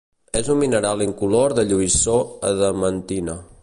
És un mineral incolor de lluïssor adamantina.